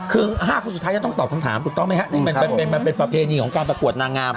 คือ๕คนสุดท้ายจะต้องตอบคำถามถูกต้องไหมครับนี่มันเป็นประเพณีของการประกวดนางงาม